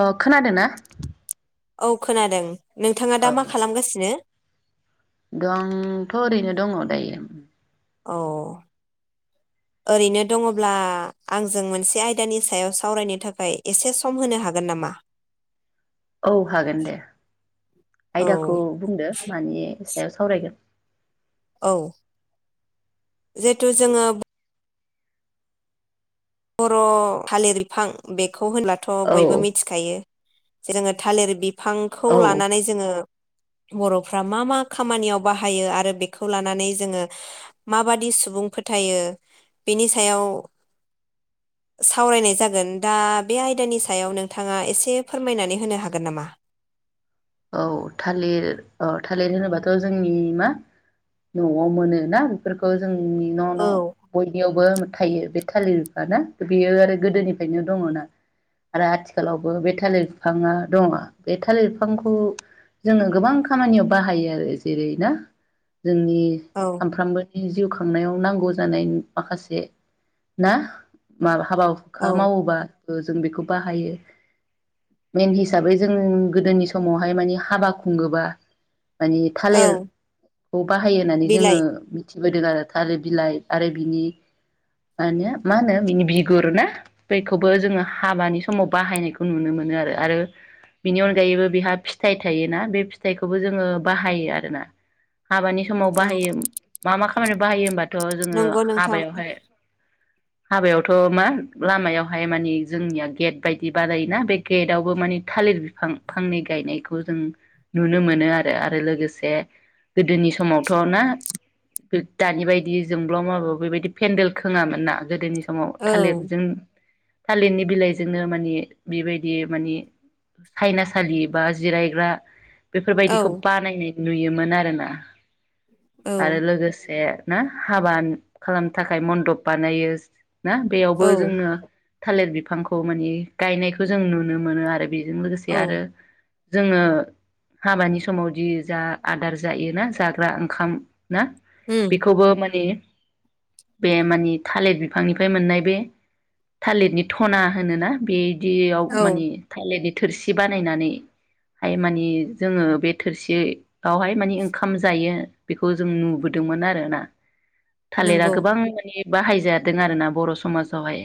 अ खोनादो ना? औ खोनादों। नोंथाङा दा मा खालामगासिनो? दंथ ओरैनो दङ दायो। औ ओरैनो दङब्ला आंजों मोनसे आयदानि सायाव सावरायनो थाखाय एसे सम होनो हागोन नामा? औ हागोन दे औ आयदाखौ बुंदो मानि सायाव सावरायगोन? औ जिहेतु जोंङो बर थालिर बिफां बेखौ खौ होनब्लाथ औ बयबो मिथिखायो जोंङो थालिर बि फांखौ औ लानानै जोंङो बरफ्रा मा मा खामानियाव बाहायो आरो बेखौ लानानै जोंङो माबादि सुबुं फोथायो बिनि सायाव सावरायनाय जागोन दा बे आयदानि सायाव नोंथाङा एसे फोरमायनानै होनो हागोन नामा? औ थालिर अ थालिर होनोबाथ जोंनि मा नआव मोनो ना बेफोरखौ जों जोंनि न न औ बयनियावबो थायो बे थालिर बिफां ना बेयो आरो गोदोनिफ्रायनो दंङ ना आरो आथिखालावबो बे थालिर बिफाङा दंङ बे थालिर बिफां खौ जोंङो गोबां खामानियाव बाहायो आरो जेरै ना जोंनि औ सामफ्रामबो नि जिउ खांनायाव नांगौ जानाय माखासे ना माबा हाबा हुखा औ मावोबा ओ जों बेखौ बाहायो मेन हिसाबै जों गोदोनि सम समावहाय माने हाबा खुंङोबा माने थालेर औ खौ बाहायो होननानै जोंङो बिलाइ मिथिबोदों आरो थालेर बिलाइ आरो बिनि माने मा होनो बिनि बिगुर ना बेखौबो जोंङो हाबानि समाव बाहायनायखौ नुनो मोनो आरो आरो बिनि अनगायैबो बेहा फिथाइ थायोना बे फिथाइखौबो जोंङो बाहायो आरोना हाबानि समाव औ बाहायो मा मा खामानि बाहायो होमबा थ जोंङो नंगौ नोंथां हाबायावहाय हाबायावथ मा लामायावहाय माने जोंनिया गेट बायदि बानायोना बे गेटआवबो माने थालिर बिफां फांनै गायनायखौ जों नुनो मोनो आरो आरो लोगोसे गोदोनि समावथ ना दानि बायदि जोंब्लाव माब्लाव बेबायदि पेन्देल खोङामोन ना गोदोनि समाव औ थालिरजों थालिरनि बिलाइजोंनो मानि बेबायदि मानि सायनासालि बा जिरायग्रा बेफोरबायदिखौ औ बानायनाय नुयोमोन आरोना आरो औ लोगोसे ना हाबा खालामनो थाखाय मन्दप बानायो ना बेयावबो औ जोंनो थालिर बिफांखौ माने गायनायखौ जों नुनो मोनो आरो बे जों लोगोसे आरो औ जोङो हाबानि समावदि जा आदार जायोना जाग्रा ना उम बेखौबो माने बे माने थालिर बिफांनिफ्राय मोननाय बे थालिरनि थना होनोना बे दियाव औ माने थालिरनि थोरसि बानायनानै हाय मानि जोङो बे थोरसियावहाय माने ओंखाम जायो बेखौ जों नुबोदोंमोन आरोना। थालिरा नंगौ गोबां माने बाहायजादों आरो ना बर समाजावहाय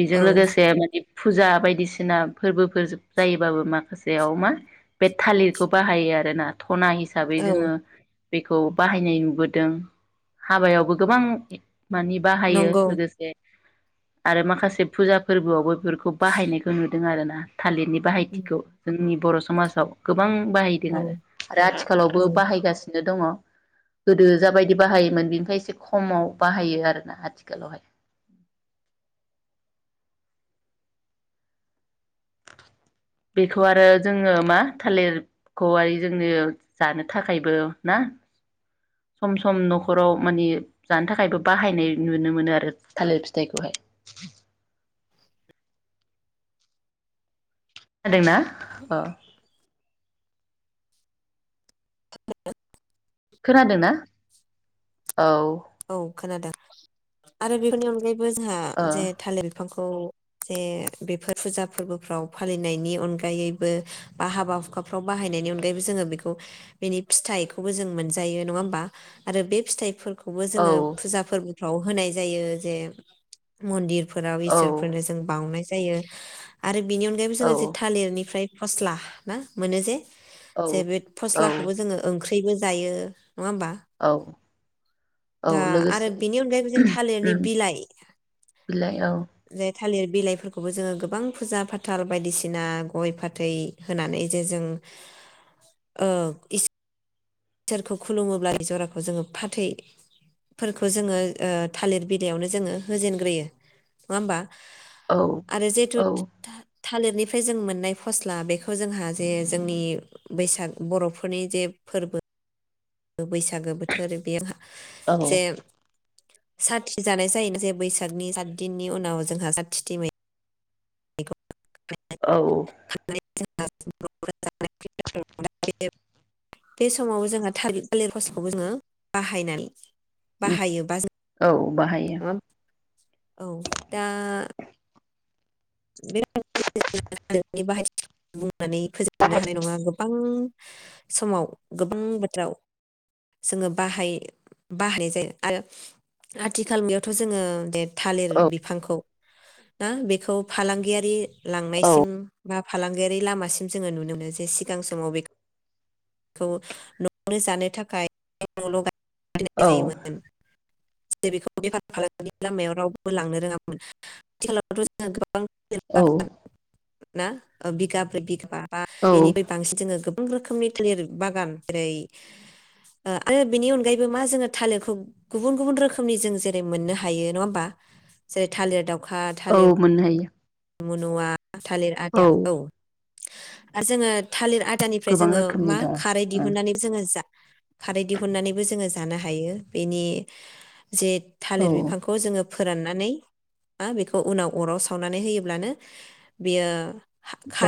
बेजों औ लोगोसे माने फुजा बायदिसिना फोर्बोफोर जायोबाबो माखासे याव मा बे थालिरखौ बाहायो आरोना। थना हिसाबै औ जोङो बेखौ बाहायनाय नुबोदों हाबायावबो गोबां मानि बाहायो नंगौ लोगोसे आरो माखासे फुजा फोर्बोआवबो बेफोरखौ बाहायनायखौ नुदों आरोना। ना थालिरनि उम बाहायथिखौ नि बर समाजाव गो बां बाहायदों आरो औ आरो आथिखालावबो औ बाहायगासिनो दङ गोदो जाबायदि बाहायोमोन बेनिफ्राय एसे खमाव बाहायो आरोना आथिखालावहाय। बेखौ आरो जोङो मा थालिरखौहाय जोंनो जानो थाखायबो ना सम सम नखराव मानि जानो थाखायबो बाहायनाय नुनो मोनो आरो थालिर फिथाइखौहाय। खोनादोंना? अ [unintelligible] खोनादोंना? औ औ खोनादों आरो बेफोरनि अनगायै बो जोंहा जे थालिर बिफांखौ जे बेफोर फुजा फोरबोफ्राव फालिनायनि अनगायैबो बा हाबा हुखाफ्राव बाहायनायनि अनगायैबो जोङो बेखौ बेनि फिथाइखौबो जों मोनजायो नङा होमबा आरो बे फिथाइफोरखौ बो जोङो ओ फुजा फोरबो फ्राव होनाय जायो जे मन्दिर फा फोराव औ इसोरफोरनो जों बावनाय जा जायो आरो बेनि अनगायैबो औ जोङो जे थालिरनिफ्राय फस्ला ना मोनो जे जे बे औ औ फस्लाखौबो जोङो ओं ख्रिबो जायो। नङा होमबा? औ औ दा आरो लोगोसे बेनि अनगायै थालिरनि उम बिलाइ बिलाइ औ बे थालिर बिलाइफोरखौबो जोङो गोबां फुजा फाथाल बायदिसिना गय फाथै होनानै जे जों ओ इस इसोरखौ खुलुमोब्ला जराखौ जोङो फाथैफोरखौ जोङो थालिर बिलाइयावनो जोङो होजेनग्रोयो नङा होमबा? औ आरो जिहेथु औ था- थालिरनिफ्राय जों मोननाय फस्ला बेखौ जोंहा जे जोंनि बैसाग बर'फोरनि जे फोरबो। बैसागो बोथोर बेयाव औ जे साथि जानाय जायो जे बैसागनि सात दिननि उनाव जोंहा साथथिथि मै औ [unintelligible] बे समाव जोंहा थालिर थालिर खसखौबो जोङो बाहायनानै बाहायोबा जों औ बाहायो। नङा होमबा? औ दा [unintelligible] नानै फोजोबनो हानाय नङा गोबां समाव गोबां बोथोराव जोङो बाहाय बाहाय जायो आरो आथिखालनियावथ' जोङो दे। थालिर औ बिफांखौ ना बेखौ फालांगियारि औ लांनायसिम बा फालांगियारि लामासिम जोङो नुनो मोनो जे सिगां समाव बे खौ न'आवनो जानो थाखाय न' औ [unintelligible] जायोमोन। [unintelligible] बेखौ बेफार फालांगिनि लामायाव रावबो लांनो रोङामोन आथिखालावथ' जों गोबां औ [unintelligible] ना बिगाब्रै बिगाबा बा औ बेनिफाय बांसिन जोङो गोब बां रोखोमनि थालिर बागान जेरै ओ आरो बेनि अनगायैबो मा जोङो थालिरखौ गुबुन गुबुन रोखोमनि जों जेरै मोननो हायो नङा होमबा जेरै थालिर दाव औ मोननो हायो। मुनुवा आ थालिर औ आदिया खौ आरो जोङो थालिर आथ थियानिफ्राय गोबां जोङो रोखोमनि मा दङ खारै दिहुननानैबो जोङो जा खारै दिहुननानैबो जोङो जानो हायो बेनि जे औ थालिर बिफांखौ जोङो फोराननानै ना बेखौ उनाव अराव सावनानै होयोब ब्लानो बियो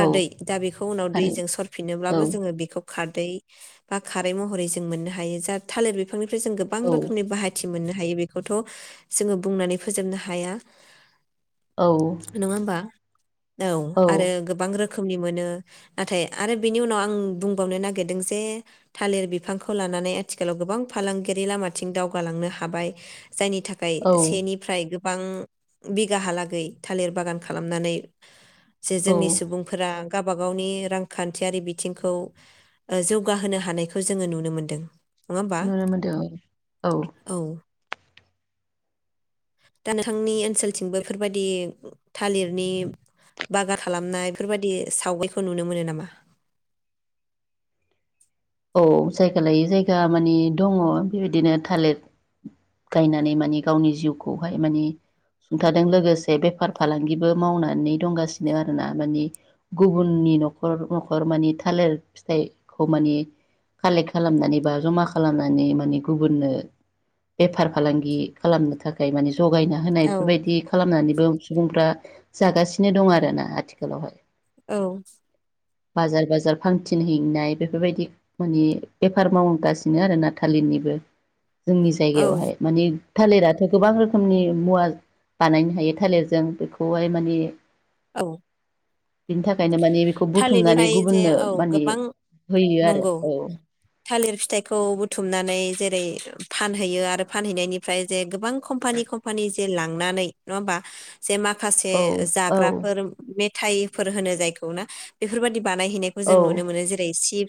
औ दा बेखौ उनाव थारै दैजों औ सरफिनोब्लाबो जोङो बेखौ खारदै बा खारै महरै जों मोननो हायो जा थालिर बिफांनि फ्राय जों गोबां औ रोखोमनि बाहायथि मोन हायो बेखौथ' जोङो बुंनानै फोजोबनो हाया। औ नङा होमबा? औ आरो गोबां रोख खोमनि मोनो नाथाय आरो बिनि उनाव आं बुंबावनो नागिरदों जे थालिर बिफांखौ लानानै आथिखालाव गोबां फालांगियारि लामाथिं दावगालांनो हाबाय। जायनि थाखाय औ सेनिफ्राय गोब बां बिगाहालागै था लिर बागान खालामनानै जे औ जोंनि सुबुंफोरा गाबा गावनि रांखान्थियारि बिथिंखौ जौगाहोनो हानायखौ जोङो नुनो मोनदों। नङा होमबा नुनो मोनदो औ दा नोंथांनि ओनसोलथिंबो बेफोरबादि थालिरनि बागा खालामनाय बेफोरबादि सावगारिखो नुनो मोनो नामा? औ जायगा लायै जायगा माने दङ बेबायदिनो थालेर गायनानै माने गावनि जिउखौहाय माने सुंथादों लोगोसे बेफार फालांगिबो मावनानै दंगासिनो आरोना माने गुबुननि न'खर न'खर माने थालिर फिथाइखौ माने कालेक खालामनानै बा जमा खालामनानै माने गुबुननो बेफार फालांगि खालामनो थाखाय माने जगायना होनाय औ बेफोरबायदि खालामनानै गोब सुबुंफ्रा जागासिनो दं आरो ना आथिखालावहाय औ बाजार बाजार फांथिन हैनाय बेफोरबायदि माने बेफार मावगासिनो आरो ना थालिरनिबो जोंनि औ जायगायावहाय माने थालिराथ' गोबां रोखोमनि मुवा बानायनो हायो थालिरजों बेखौहाय माने औ बिनि थाखायनो माने बेखौ बुथुमनानै थालिरनिफ्राय जे गुबुननो औ माने गोबां होयो आरो नंगौ थालिर फिथाइखौ बुथुमनानै जे रै फानहैयो आरो फानहैनायनिफ्राय जे गोबां कम्पानि कम्पानि जे लांनानै नङा होमबा? जे माखासे औ जाग्रा औ मेथाइफोर होनो जायखौ ना बेफोरबादि बानायहैनायखौ जों औ नुनो मोनो जेरै-सिप स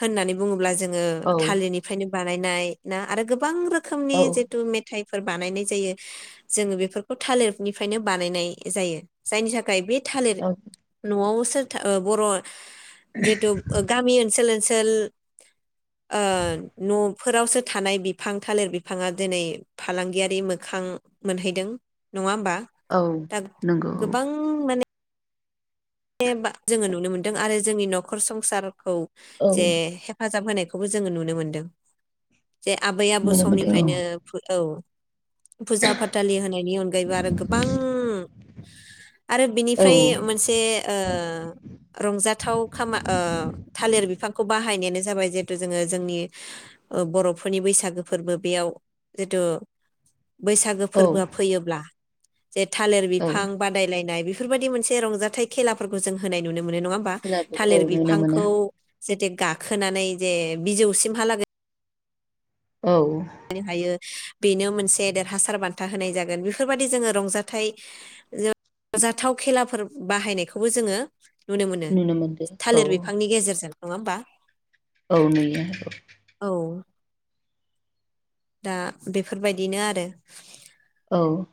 होननानै बुङोब्ला जों ङो औ थालिरनिफ्रायनो बानायनाय ना आरो गोबां रो खोमनि औ जिथु मेथाइ फोर बानायनाय जायो जोङो बेफोरखौ थालिरनिफ्रायनो बानायनाय जायो। जाइनि थाखाय बि थालिर औ न'आव। सोरथो ओ बर'। जेतु ओ गामि ओनसोल ओन सोल ओ न'फोरावसो थानाय बिफां थालिर बिफाङा दिनै फालांगियारि मोखां मोनहैदों नङा होमबा। औ दा नों गोबां माने। बे बा जोङो नुनो मोनदों आरो जोंनि न'खर संसारखौ। औ जे हेफाजाब होनाय। खौबो जोङो नुनो मोनदों। जे आबै आबौ नुनो मोनदों औ समनिफ्रायनो फ्रुऔ। फुजा फाथालि होनायनि अनगायैबो आरो गोबां। आरो औ बिनिफ्राय मोनसे। ओ रंजाथाव खामा ओ थालिर बिफांखौ बाहायनायानो जाबाय जिहेथु जोङो जोंनि ओ बर'फोरनि बैसागो फोरबो बेयाव जितु। बैसागो औ फोरबोआ फैयोब्ला। जे थालिर औ बिफां बादायलायनाय बि फोरबायदि मोनसे रंजाथाइ। खेलाफोरखौ जों होनाय नुनो मो मोनो नङा होमबा खेलाबो औ थालिर नुनो मोनो बिफांखौ। जेते गाखोनानै जे बिजौसिमहालागै औ [unintelligible] हायो। बेनो मोनसे देरहासार बान्था होनाय जागोन बेफोरबायाददि जोङो रंजाथाइ रंजाथाव खेलाफोर बाहायनायखौबो जोङो नुनो मोनो मोनदो औ थालिर बिफांनि गेजेरजों नङा ओमबा। औ नुयो। औ दा बेफोरबायदिनो आरो औ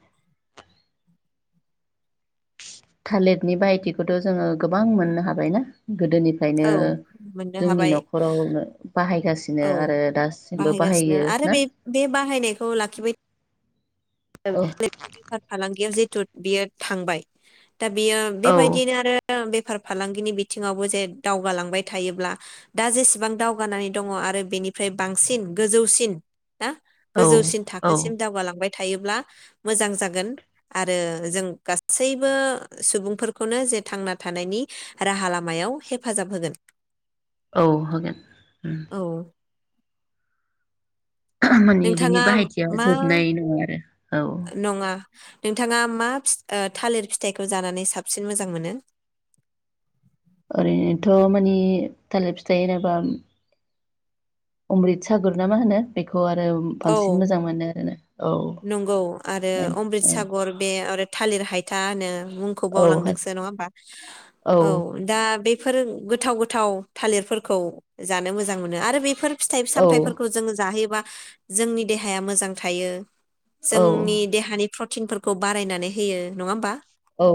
थालिरनि बाहायथिखौथ' जोङो गोबां मोननो हाबायना? गोदोनिफ्रायनो औ मोननो जोंनि हाबाय न'खरावनो बाहायगासिनो औ आरो दासिमबो बाहायगासिनो बाहायो आरो ना? बे बे बाहायनायखौ लाखिबाय औ [unintelligible] बेफार फालांगियाव जे थुथ बियो थांबाय। दा बियो औ बेबायदिनो आरो बेब फार फालांगिनि बिथिङावबो जे दावगालांबाय थायोब्ला दा जेसेबां दावगानानै दङ आरो बेनिफ्राय बांसिन गोजौसिन ना औ गोजौसिन औ थाखोसिम दावगालांबाय थायोब्ला मोजां जागोन आरो जों गासैबो सुबुंफोरखौनो जे थांना थानायनि राहा लामायाव हेफाजाब होगोन। औ होगोन उम औ माने बिनि नोंथाङा बाहायथिया मा जोबनाय नङा आरो औ। नङा नोंथाङा मा फि ओ थालिर फिथाइखौ जानानै साबसिन मोजां मोनो? ओरैनोथ' मानि थालिर फिथाइ होनाबा अमृत सागर ना मा होनो बेख खौ आरो औ बांसिन मोजां मोनो औ नंगौ आरो माने अमृत औ सागर बे आरो थालिर हायथा होनो। मुंखौ औ बावलांदोंसो नङा ओमबा औ दा बेफ फोर गोथाव गोथाव थालिरफोरखौ जानो मोजां मोनो आरो बेफोर फिथाइ औ सामथायाइफोरखौ जोङो जाहैयोबा जोंनि देहाया मोजां थायो। जोंनि देहानि प्रटिनफोरखौ बारायनानै होयो नङा ओमबा? औ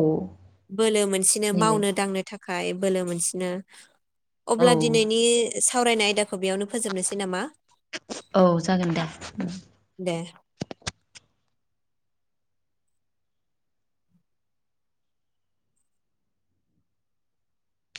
बोलो मोनसेनो होयो मावनो दांनो थाख खाय बोलो मोनसिनो। अब्ला औ दिनैनि सावरायनाय आयदाख खौ बेयावनो फोजोबनोसै नामा औ जागोन दा दे?